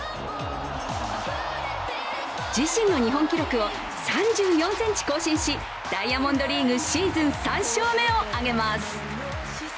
自身の日本記録を３４ｃｍ更新し、ダイヤモンドリーグシーズン３勝目を挙げます。